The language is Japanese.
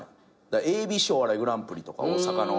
ＡＢＣお笑いグランプリとか大阪の。